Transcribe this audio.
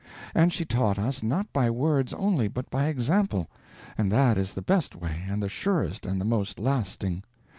And she taught us not by words only, but by example, and that is the best way and the surest and the most lasting.